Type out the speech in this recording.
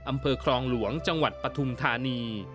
อำเภอครองหลวงจังหวัดปฐุมธานี